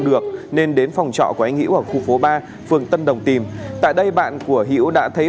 được nên đến phòng trọ của anh hiễu ở khu phố ba phường tân đồng tìm tại đây bạn của hiễu đã thấy